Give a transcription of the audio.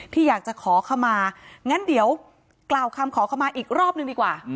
ที่อยากจะขอขมางั้นเดี๋ยวกล่าวคำขอขมาอีกรอบนึงดีกว่า